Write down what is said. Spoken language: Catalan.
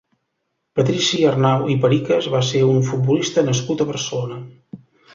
Patrici Arnau i Pericas va ser un futbolista nascut a Barcelona.